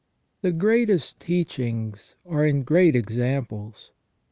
The greatest teachings are in great examples.